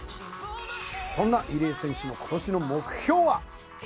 そんな入江選手の今年の目標は？